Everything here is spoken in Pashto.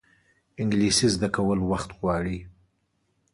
انګلیسي زده کول وخت غواړي